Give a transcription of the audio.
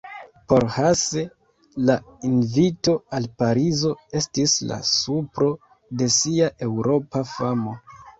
Por Hasse la invito al Parizo estis la supro de sia Eŭropa famo.